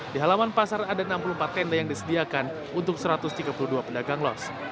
di halaman pasar ada enam puluh empat tenda yang disediakan untuk satu ratus tiga puluh dua pedagang los